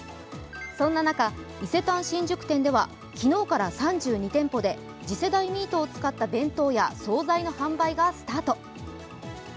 そんな中、伊勢丹新宿店では昨日から３２店舗で次世代ミートを使った弁当や総菜の販売がスタート。